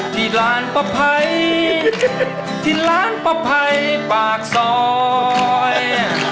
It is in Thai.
ที่ร้านป้าไพรที่ร้านป้าภัยปากซอย